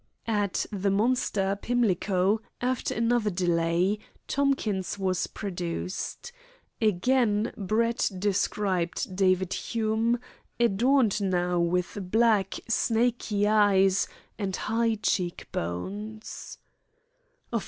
At the Monster, Pimlico, after another delay, Tomkins was produced. Again Brett described David Hume, adorned now with "black, snaky eyes and high cheek bones."